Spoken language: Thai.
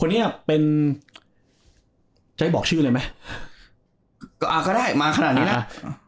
คนนี้อ่ะเป็นจะให้บอกชื่อเลยไหมก็อ่าก็ได้มาขนาดนี้น่ะอ่า